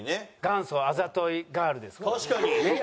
元祖あざといガールですからね。